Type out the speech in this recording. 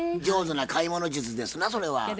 上手な買い物術ですなそれは。